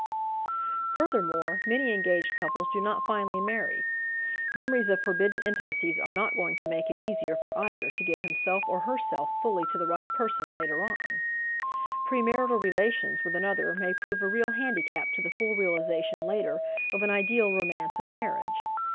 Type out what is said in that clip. Furthermore, many engaged couples do not finally marry; memories of forbidden intimacies are not going to make it easier for either to give himself or herself fully to the right person later on; premarital relations with another may prove a real handicap to the full realization, later, of an ideal romance and marriage.